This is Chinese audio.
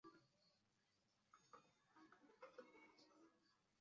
条纹刺铠虾为铠甲虾科刺铠虾属下的一个种。